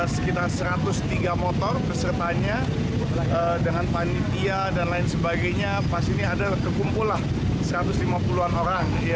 sekitar satu ratus tiga motor besertanya dengan panitia dan lain sebagainya pastinya ada terkumpullah satu ratus lima puluh an orang